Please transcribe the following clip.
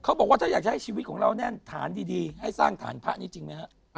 เขาบอกว่าถ้าอยากจะให้ชีวิตของเราแน่นฐานดีให้สร้างฐานพระนี้จริงไหมฮะ